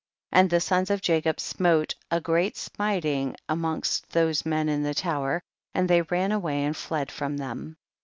36. And the sons of Jacob smote a great smiting amongst those men in the tower, and they ran away and fled from them.